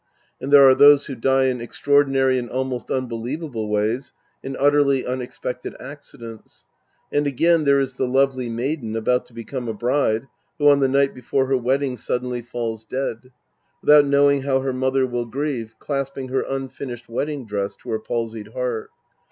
And there are those who die in extraordinary and almost unbelievable ways in utterly unexpected accidents. And again there is the lovely maiden about to become a bride who on the night before her wedding suddenly falls dead. Without knowing how her mother will grieve, clasping her unfinished wedding dress to her palsied heai t.